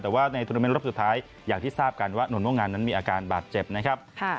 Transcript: แต่ว่าในทุนรอบสุดท้ายอย่างที่ทราบกันว่านนม่วงงานนั้นมีอาการบาดเจ็บนะครับ